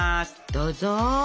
どうぞ。